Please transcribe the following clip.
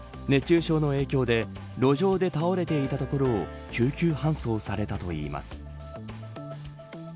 熱中症の影響で路上で倒れていたところを救急搬送されたといいます。